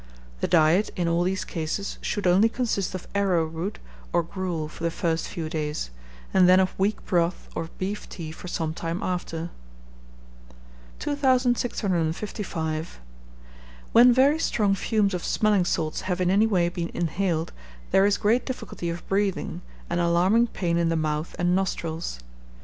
The diet in all these cases should only consist of arrowroot or gruel for the first few days, and then of weak broth or beef tea for some time after. 2655. When very strong fumes of smelling salts have in any way been inhaled, there is great difficulty of breathing, and alarming pain in the mouth and nostrils.